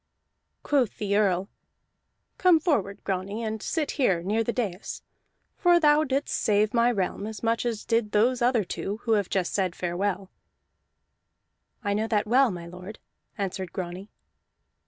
Quoth the Earl: "Come forward, Grani, and sit here near the dais; for thou didst save my realm as much as did those other two who have just said farewell." "I know that well, lord," answered Grani.